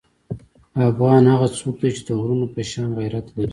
افغان هغه څوک دی چې د غرونو په شان غیرت لري.